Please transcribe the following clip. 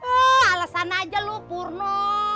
eh alasan aja lo purno